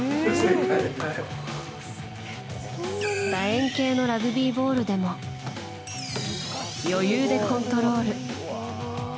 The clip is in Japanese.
楕円形のラグビーボールでも余裕でコントロール。